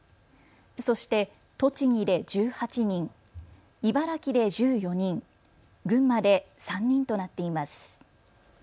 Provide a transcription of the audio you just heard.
そして栃木で１８人、茨城で１４人、群馬で３人となっています。